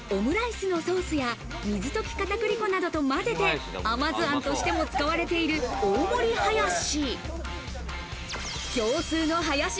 他にもオムライスのソースや、水溶き片栗粉などと混ぜて甘酢あんとしても使われている大盛ハヤシ。